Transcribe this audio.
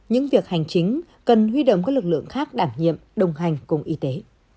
những việc hành chính cần huy động các lực lượng khác đảm nhiệm đồng hành cùng y tế